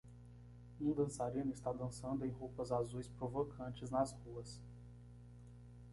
Um dançarino está dançando em roupas azuis provocantes nas ruas